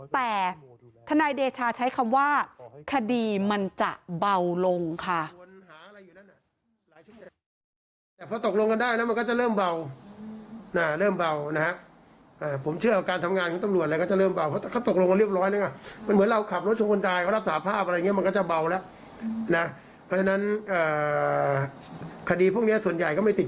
แต่ทนายเดชาใช้คำว่าคดีมันจะเบาลงค่ะ